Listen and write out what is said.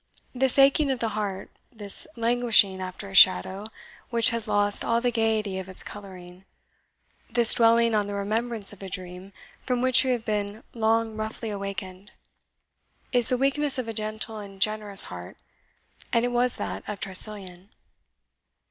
This aching of the heart, this languishing after a shadow which has lost all the gaiety of its colouring, this dwelling on the remembrance of a dream from which we have been long roughly awakened, is the weakness of a gentle and generous heart, and it was that of Tressilian.